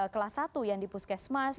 kelas satu yang di puskesmas